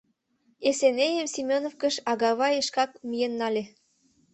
Эсенейым Семёновкыш Агавий шкак миен нале.